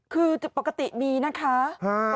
คือปกติมีนะครับ